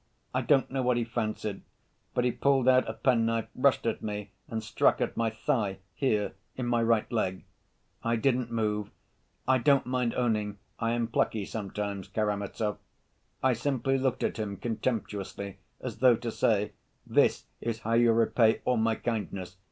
I don't know what he fancied; but he pulled out a penknife, rushed at me, and struck at my thigh, here in my right leg. I didn't move. I don't mind owning I am plucky sometimes, Karamazov. I simply looked at him contemptuously, as though to say, 'This is how you repay all my kindness!